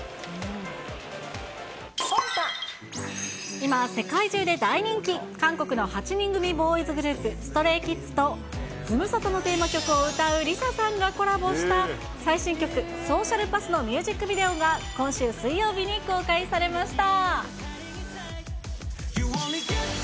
今、世界中で大人気、韓国の８人組ボーイズグループ、ＳｔｒａｙＫｉｄｓとズムサタのテーマ曲を歌うＬｉＳＡさんが、コラボした最新曲、ＳｏｃｉａｌＰａｔｈのミュージックビデオが、今週水曜日に公開されました。